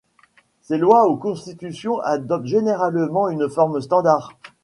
Ces lois ou constitutions adoptent généralement une forme standard.